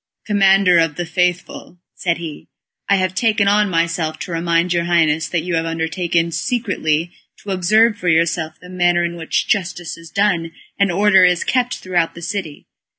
"Commander of the Faithful," said he, "I have taken on myself to remind your Highness that you have undertaken secretly to observe for yourself the manner in which justice is done and order is kept throughout the city.